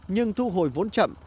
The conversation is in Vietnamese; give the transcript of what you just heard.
nhưng thu hồi vốn chậm